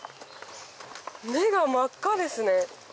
目が真っ赤ですね。